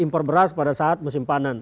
impor beras pada saat musim panen